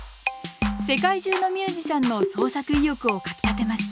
世界中のミュージシャンの創作意欲をかきたてました